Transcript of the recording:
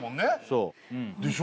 そうでしょ？